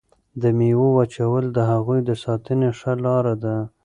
د میوو وچول د هغوی د ساتنې ښه لاره ده.